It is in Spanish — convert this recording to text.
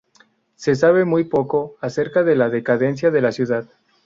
Se sabe muy poco acerca de la decadencia de la ciudad.